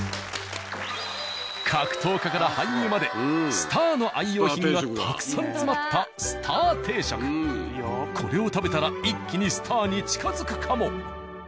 格闘家から俳優までスターの愛用品がたくさん詰まったこれを食べたら一気にスターに近づくかも。